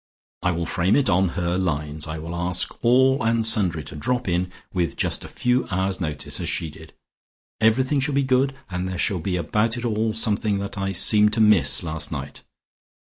I will frame it on her lines; I will ask all and sundry to drop in with just a few hours' notice, as she did. Everything shall be good, and there shall be about it all something that I seemed to miss last night.